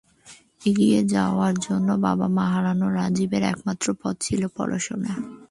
এগিয়ে যাওয়ার জন্য মা বাবা হারানো রাজীবের একমাত্র পথই ছিল পড়াশোনা।